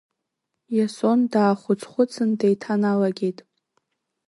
Иасон даахәыцхәыцын деиҭаналагеит.